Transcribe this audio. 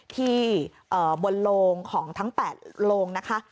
ที่บนลงของทั้ง๘ลง